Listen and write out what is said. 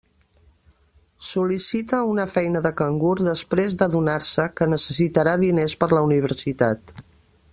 Sol·licita una feina de cangur després d'adonar-se que necessitarà diners per la universitat.